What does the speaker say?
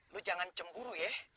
lo jangan cemburu ya